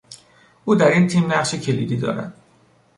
او در این تیم نقش کلیدی دارد.